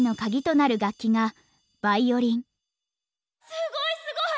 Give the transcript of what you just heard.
すごいすごい！